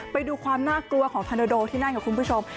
ไปดูความน่ากลัวของธนโดที่นั่นค่ะคุณผู้ชม